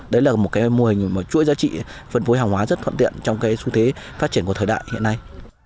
đấy là một cái mô hình chuỗi giá trị phân phối hàng hóa rất thuận tiện trong cái xu thế phát triển của thời đại hiện nay